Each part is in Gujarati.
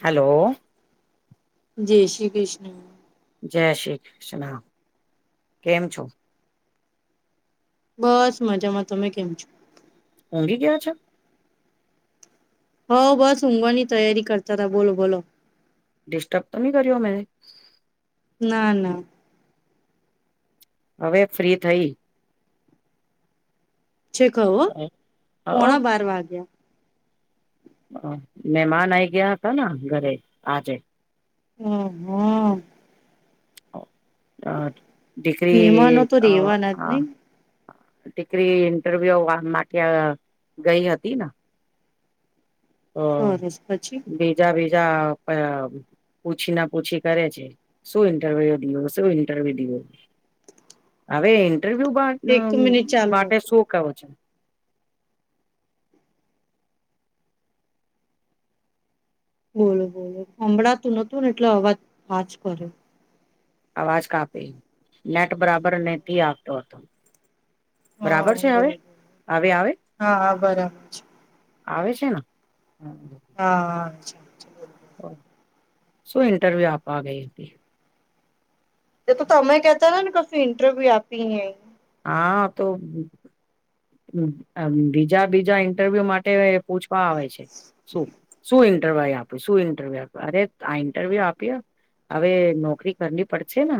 હલો. જય શ્રી કૃષ્ણ. જય શ્રી કૃષ્ણ કેમ છો? બસ મજામાં તમે કેમ છો? ઊંઘી ગયા છે? હો બસ ઊઘવાની તૈયારી કરતા હતા બોલો બોલો. ડિસ્ટર્બ તો ન કર્યો મે? ના ના. હવે ફ્રી થઈ. છેક હવે અ પોણા બાર વાગ્ય મહેમાન આઈ ગયા હતાના ઘરે આજે. હમ્મ હમ્મ. અ મહેમાનો ડીગ્રી તો રેવાના જ હા. નહી દીકરી ઇન્ટરવ્યુ વા માટે ગઈ હતી ન. ઓ સરસ પછી બીજા બીજા પૂછી ના પૂછી કરે છે શું ઇન્ટરવ્યુ દિયો શું ઇન્ટરવ્યુ દિયો? હવે ઇન્ટરવ્યુ એક તો મિનિટ ચાલુ માટે રાખો શું કવું છે? બોલો બોલો હભળાતું નતું ને એટલે અવાજ હા જ કરે. અવાજ કાપી નેટ બરાબર નથીને આપતો હતો. હા બરાબર છે બોલો હવે બોલો હવે આવે? હા હા બરાબર છે આવે છે ને. હા હા. શું ઇન્ટરવ્યુ આપવા ગઈ હતી. એ તો તમે કેતા તાને કસું ઇન્ટરવ્યુ આપીને હા તો બીજા બીજા ઇન્ટરવ્યુ માટે પૂછવા આવે છે શું શું આપ શું ઇરવ્યુ આપ અરે આ ઇન્ટરવ્યુ આપીઆવો. હવે નોકરી કરની પડશેને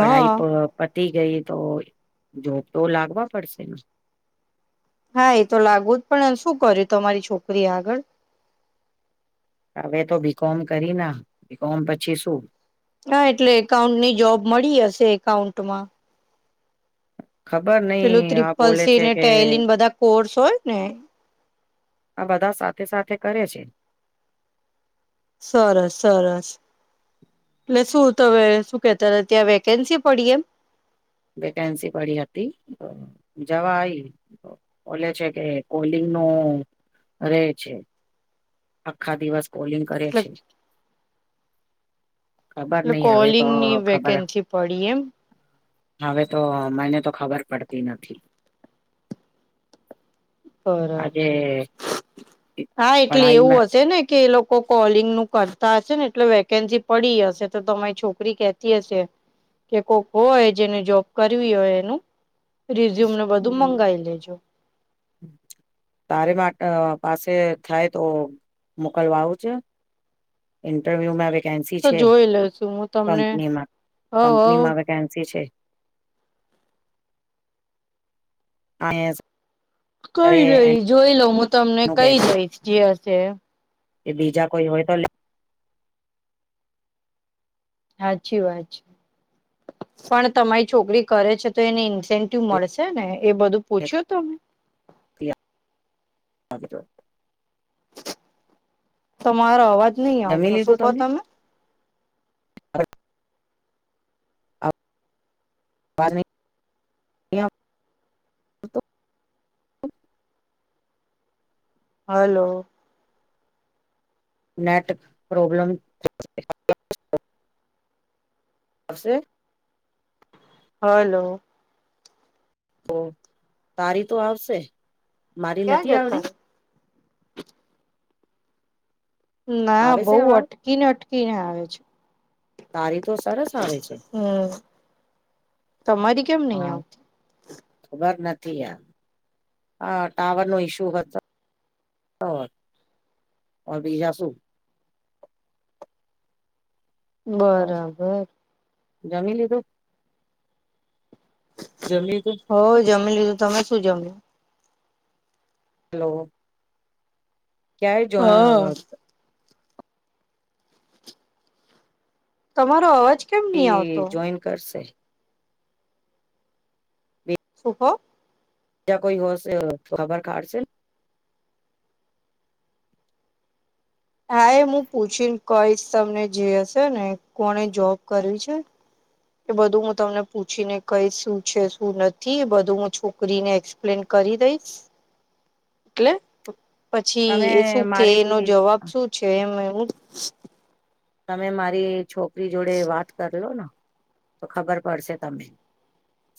હા પર તી ગઈ તો જોબતો લાગવા પડશે ને. હા એ તો લાગુજ પડેન શું કર્યું તમારી છોકરી આગળ? હવે તો બીકોમ કરી ના બીકોમ પછી શું? હા એટલે એકાઉન્ટની જોબ મળી હશે એકાઉન્ટમાં. ખબર નઈ પેલું આ બોલે ત્રિપલસી છે ને કે ટેલન બધા કોર્સ હોય ને. આ બધા સાથે સાથે કરે છે. સરસ સરસ. એટલે શું તમે શું કેતા ત્યાં વેકેન્સી પડી એમ? વેકેન્સી પડી હતી જવા આઈ. બોલે છે કે કોલિંગ નું રેય છે. આખા દિવસ કોલિંગ કરે એટલે છે. ખબર એટલે નઈ આવે તો કોલિંગની ખબર વેકેન્સી પડી એમ હવે તો મને તો ખબર પડતી નથી. આજે બરાબર હા એટલે એવું પઢાઈમાં હશે ને કે એ લોકો કોલિંગ નું કરતા હશે ને એટલે વેકેન્સી પડી હશે તો તમારી છોકરી કેતી હશે. કે કોક હોય જેને જોબ કરવી હોય એનું. રિઝ્યુમને બધું મંગાઈ લેજો. તારે માટે પાસે થાય તો મોકલવા આવું છે. ઇન્ટરવ્યુ મે વ વેકેન્સી તો છે જોઈ લેશું હું તમને કંપનીમાં હવ હવ કંપનીમાં વેકેન્સી છે. [inaudible] કઈ સરે નહી જોઈ લઉ હું તમને એનું કઈ કધું દહીશ જે હશે કે બીજા કોઈ હોય તો હાચી વાત પણ તમારી છોકરી કરે છે તો એને ઇન્સેન્ટિવ મળશે ને એ બધું પુછ્યું તમે [inaudible] તમારો અવાજ નહી આવ જમી છો શું લીધું કહો તમને તમે [unintelligible] હલો નેટ પ્રોબ્લમ હશે હલો ઓ તારી તો આવશે મારી ક્યાં નથી જતા આવતી ના આવે બહુ છે અવાજ અટકીને અટકીને આવે છે તારી તો સરસ આવે છે હમ તમારી કેમ નહી હા આવતી ખબર નથી યાર હ ટાવર નો ઈશ્યુ હતો [unintelligible] ઓર બરાબર જમી લીધું જમી લીધું હો જમી લીધું તમે શું જમયું હલો ક્યારે જોવા હા હતો તમારો અવાજ કેમ એ નહી આવતો જોઈન કરશે શું કો યા કોઈ હોશે ખબર કાડશે હા એ હું પૂછી કઈશ તમને જે હશે ને કોને જોબ કરવી છે કે બધું હું તમને પૂછી ને કઈ શું છે શું નથી બધું છોકરીને એક્સપ્લેન કર કરી દઈશ [unintelligible] એટલે પછી તમે એ શું કે એનો મારી જવાબ શું છે એવું તમે મારી છોકરી જોડે વાત કરલો તો ખબર પડશે તમે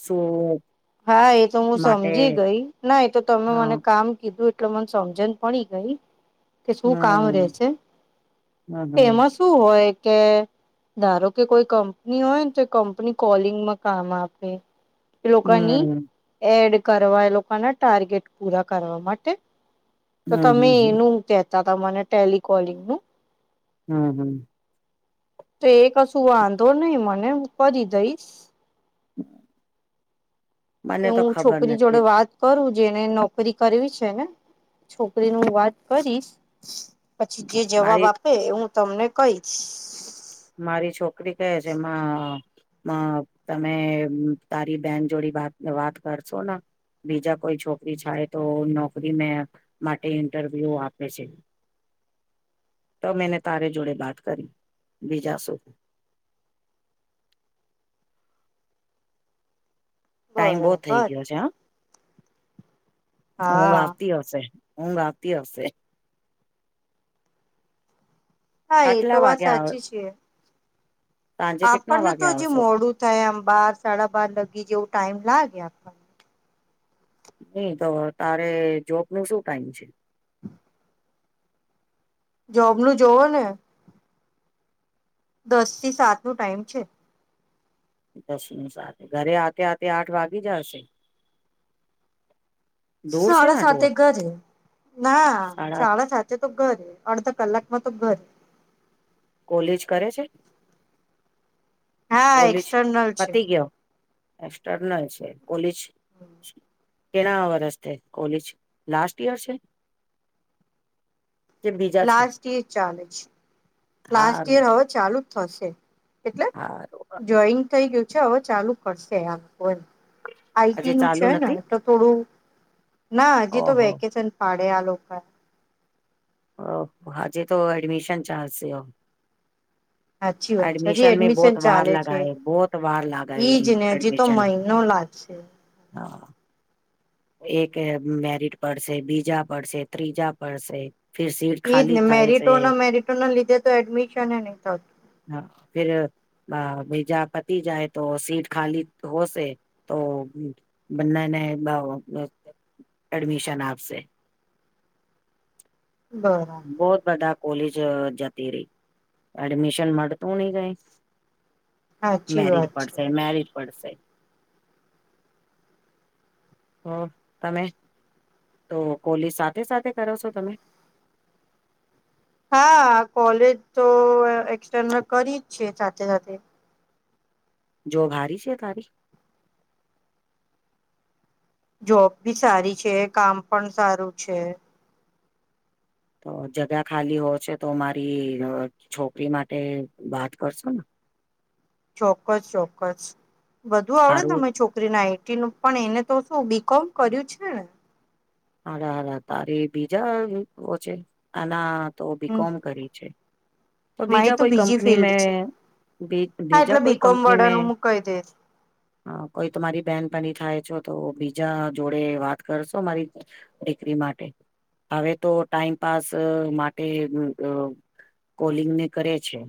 શું હા એ તો હું સમજી માટે ગઈ ના એ તો તમે મને હા કામ કીધું એટલે મને સમજણ પણી ગઈ કે શું કામ રે હમ છે હમ હમ તેમાં શું હોય કે ધારો કે કોઈ કંપની હોય ને તો કંપની કોલિંગમાં કામ આપે ની હમ એડ કરવા એ લોકોના ટાર્ગેટ પૂરા કરવા માટે હમ તો તમે હમ હમ એનું કેતા તમાને ટેલિકોલિંગનું હમ હમ તો એ કશું વાંધો નહી મને હું કરી દઈશ [inaudible] એ મને તો હું ખબર છોકરી જોડે નથી વાત કરું જેને નોકરી કરવી છે ને છોકરી ને હું વાત કરીશ પછી જે જવાબ મારી આપે એ હું તમને કહી મારી છોકરી કહે છે માં તમે તારી બેન જોડી વાત વાત કરશોને બીજા કોઈ છોકરી છાય તો નોકરી મે માટે ઇન્ટરવ્યુ આપે છે તો મેને તારે જોડે બાત કરી બીજા શું [inaudible] ટાઈમ બહુ થઈ બરાબર ગયો છે હા ઊંઘ હા આવતી હશે ઊંઘ આવતી હશે હા એ તો કેટલા વાત વાગ્યા સાચી છે સાંજે કેટલા આપણને તો વાગ્યા હજી આવશે મોડું થાય આમ બાર સાડા બાર લગી જેઉ ટાઈમ લાગે આપવા નઈ તો તારે જોબ નું શું ટાઈમ છે હમ [inaudible] જોબ નું જોવો ને દસ થી સાત નું ટાઈમ છે દસ સાત ઘરે આતે આતે આઠ વાગી જાશે શાળા સાથે ઘરે ના સાડા શાળા સાથે તો ઘરે અડધા કલાકમાં તો ઘર કોલેજ કરે છે હા કોલીજ એક્સટર્નલ છે પતી ગયો એક્સર્નલ છે કોલીજ કેણા વરસ થ કોલેજ લાસ્ટ યર છે કે બીજા છે લાસ્ટ ઈયર ચાલે છે લાસ્ટ હારું ઈયર હવે ચાલુ જ થશે એટલે હારું જોઈન થઈ ગયું છે હવે ચાલુ કરશે આમ હોય આજે આઈટી નું ચાલુ છે ને નથી તો થોડું ના હજી તો ઓહો વેકેશન પાડે આ લોકો ઓ આજે તો એડમિશન ચાલશે સાચી વાત છે હજી એડમિશન મે બોહત વાર ચાલે છે લગાએ બોહત વાર લાગાએ એડમિશન પા છે હા એક મેરિટ પડશે બીજા પડશે ત્રીજા પડશે ફિર સીટ એઈજ ખાલી ને થાય છે મેરિટોના મેરિટો ના લીધે તો એડમિશન નહ થતું હા ફેર બ બીજા પતી જાય તો સીટ ખાલી હોશે તો બના ને ડમિશન આપશે બરાબર [inaudible] બહોત બડા કોલેજ જ જતી રહી એડમિશન મળતું નહી ગઈ સાચી મેરિડ વાત છે. પડશે મેરિડ પડશે હ તમે તો કોલી સાથે સાથે કરો છો તમે [inaudible] હા કોલેજ તો એક્સન્ કરી જ છે સાથે સાથે જો ભારી છે તારી જોબ ભી સારી છે કામ પણ સારું છે તો જગા ખાલી હોશે તો મારી છોકરી માટે વાત કરશો ને [inaudible] ચોક્કસ ચોક્કસ બધુ આવડે સારું તમે છોકરી ના આઈટી નું પણ એને તો શું બીકોમ કર્યું છે ને હરા હરા તારી બીજા ઓ છે એના તો હમ બીકોમ કરી છે તો બીજા મારી કોઈ બીજી કંપની ફિલ્ડ છે મેં ભેજ હા ભેજા એટલે કોઈ બીકોમ કંપની મે વાળાનું હું કહી દઈશ. હ કોઈ તુમારી બેન બની થાય છો તો બીજા જોડે વાત કરશો મારી દીકરી માટે હવે તો ટાઈમપાસ માટે કોલિંગને કરે છે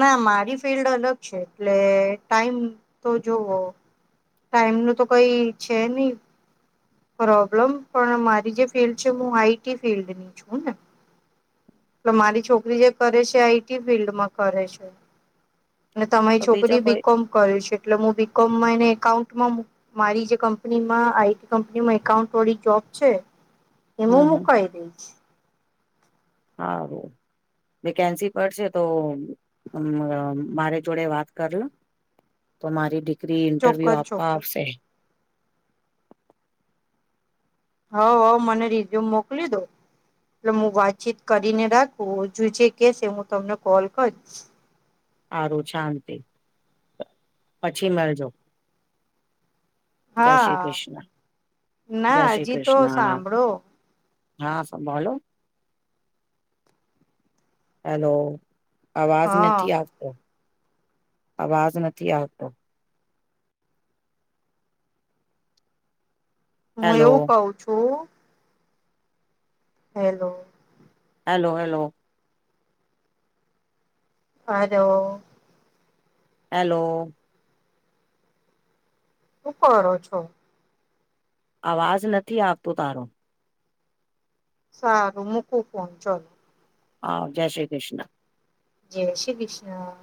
ના મારી ફિલ્લડ અલગ છે એટલે ટાઈમ તો જોવો ટાઈમ નું તો કઈ છે નહી. પ્રોબ્લમ પણ મારી જે ફિલ્ડ છે હું આઈ ટી ફિલ્ડની છું ને. તો મારી છોકરી જે કરે છે આઈ ટી ફિલ્ડમાં કરે છે. અને તમારી તો બીજા છોકરી કોઈ બીકોમ કર છે એટલે હું બીકોમ માં એને એકાઉન્ટમાં મારી જે કંપનીમાં આઈ ટી કંપનીમાં એકાઉન્ટ વાળી જોબ છે એમું મુકઈ દઈશ. હારુ. વેકેન્સી પડશે તો મ મારે જોડે વાત કર લો. તો મારી ડિગ્રી ઇન્ટરવ્યુ ચોક્કસ આપવા ચોક્કસ આવશે. હ હ મને રિઝ્યુમ મોકલી દો. એટલે હું વાતચીત કરીને ને રાખું હજું જે કે છે હું તમને કોલ કરીસ. સારું શાંતિ. પછી મળજો. જય શ્રી હા કૃષ્ણ જય ના શ્રી હજી તો કૃષ્ણ. સાંભળો હા સર બોલો. હલો અવાજ હા નથી આવતો. અવાજ નથી આવતો. હું હેલો એવું કઉ છું. Hello. Hello hello. Hello hello. શુ કરો છો? અવાજ નથી આવતું તારો. સારું મૂકું ફન ચાલ. હા જય શ્રી કૃષ્ણ. જય શ્રી કૃષ્ણ.